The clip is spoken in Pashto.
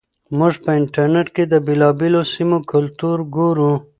موږ په انټرنیټ کې د بېلابېلو سیمو کلتور ګورو.